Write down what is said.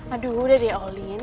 aduh udah deh olin